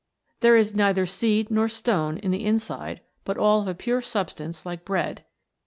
There is neither seed nor stone in the inside, but all of a pure substance like bread.